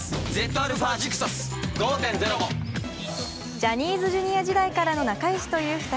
ジャニーズＪｒ．時代からの仲よしという２人。